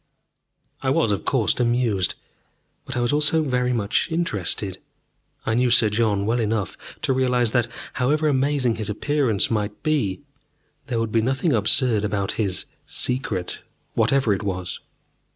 I was, of course, amused. But I was also very much interested. I knew Sir John well enough to realize that, however amazing his appearance might be, there would be nothing absurd about his "Secret" whatever it was.